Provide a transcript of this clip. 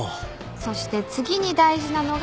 そして次に大事なのが。